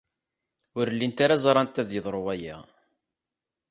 Ur llint ara ẓrant ad yeḍru waya.